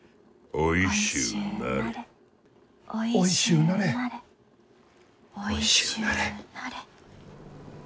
おいしゅうなれ。